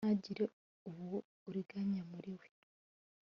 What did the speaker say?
ntagire uburiganya muri we